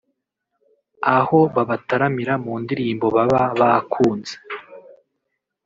aho babataramira mu ndirimbo baba bakunze